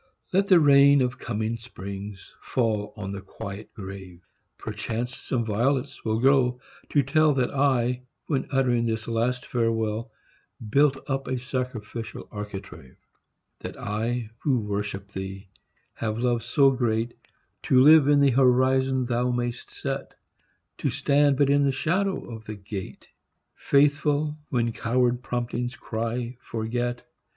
Let the rain Of coming springs fall on the quiet grave. Perchance some violets will grow to tell That I, when uttering this last farewell, Built up a sacrificial architrave; That I, who worship thee, have love so great, To live in the horizon thou may'st set; To stand but in the shadow of the gate, Faithful, when coward promptings cry, "Forget."